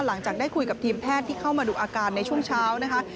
หลังจากได้คุยกับทีมแพทย์ที่เข้ามาดูอาการในช่วงเช้านะคะ